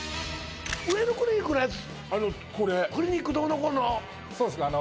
上野クリニックのやつ